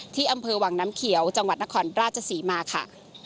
ที่อำเภอวังน้ำเขียวจังหวัดนครราชศรีมาค่ะ